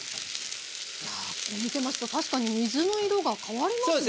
見てますと確かに水の色が変わりますね。